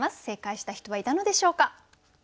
正解した人はいたのでしょうか。